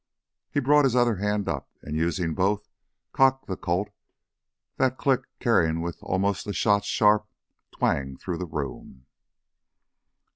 He brought his other hand up, and using both, cocked the Colt, that click carrying with almost a shot's sharp twang through the room.